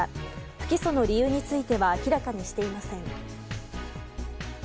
不起訴の理由については明らかにしていません。